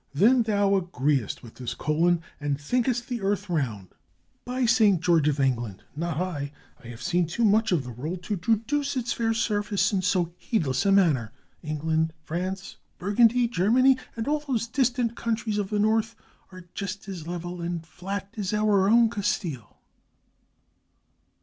"Then thou agreest with this Colon, and thinkest the earth round?" "By St. George of England! not I. I have seen too 476 A GLIMPSE OF COLUMBUS IN SPAIN much of the world to traduce its fair surface in so heed less a manner. England, France, Burgundy, Germany, and all those distant countries of the north, are just as level and flat as our own Castile."